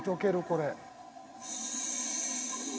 これ。